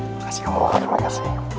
makasih allah terima kasih